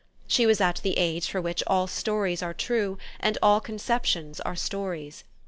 She was at the age for which all stories are true and all conceptions are stories.